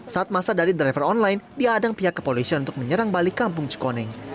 saat masa dari driver online diadang pihak kepolisian untuk menyerang balik kampung cikoning